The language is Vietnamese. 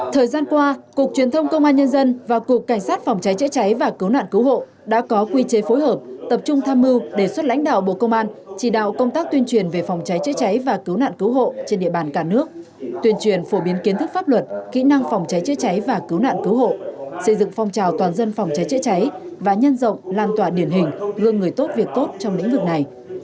thời gian qua cục truyền thông công an nhân dân và cục cảnh sát phòng trái trễ trái và cứu nạn cứu hộ đã có quy chế phối hợp tập trung tham mưu để xuất lãnh đạo bộ công an chỉ đạo công tác tuyên truyền về phòng trái trễ trái và cứu nạn cứu hộ trên địa bàn cả nước tuyên truyền phổ biến kiến thức pháp luật kỹ năng phòng trái trễ trái và cứu nạn cứu hộ xây dựng phong trào toàn dân phòng trái trễ trái và nhân rộng lan tỏa điển hình gương người tốt việc tốt trong lĩnh vực này